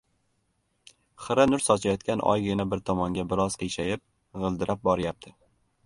Xira nur sochayotgan oygina bir tomonga biroz qiyshayib, gʻildirab boryapti.